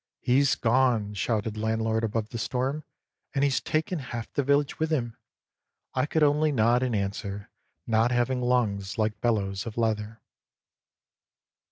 " He's gone" shouted landlord above the storm, " and he's taken half the village with him!" I could only nod in answer, not having lungs like bellows of leather.